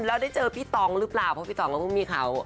แล้วได้เจอพี่ตองหรือเปล่าเพราะพี่ตองก็เพิ่งมีเขา